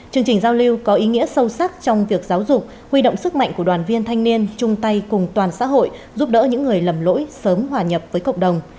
chương trình giao lưu có ý nghĩa sâu sắc trong việc giáo dục huy động sức mạnh của đoàn viên thanh niên chung tay cùng toàn xã hội giúp đỡ những người lầm lỗi sớm hòa nhập với cộng đồng